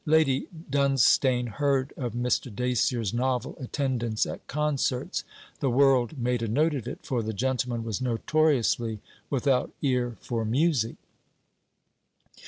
Lady Dunstane heard of Mr. Dacier's novel attendance at concerts. The world made a note of it; for the gentleman was notoriously without ear for music.